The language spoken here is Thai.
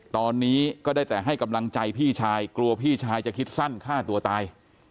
ตอนนี้ก็ได้แต่ให้กำลังใจพี่ชายกลัวพี่ชายจะคิดสั้นฆ่าตัวตาย